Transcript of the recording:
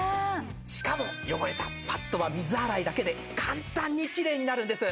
しかも汚れたパッドは水洗いだけで簡単にきれいになるんです。